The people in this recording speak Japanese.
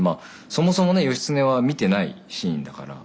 そもそもね義経は見てないシーンだから。